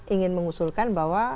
ingin mengusulkan bahwa